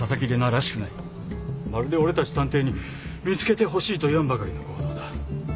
まるで俺たち探偵に見つけてほしいと言わんばかりの行動だ。